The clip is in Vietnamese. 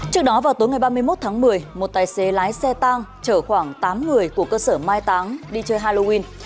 trước đó vào tối ngày ba mươi một tháng một mươi một tài xế lái xe tang chở khoảng tám người của cơ sở mai táng đi chơi halloween